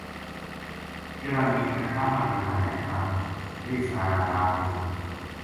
کِہڑا نے کٹھا ما ڈیرا لایا تھا ویہ سارا رات رُڑھ گیا